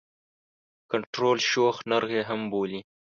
کنټرول شوی نرخ یې هم بولي.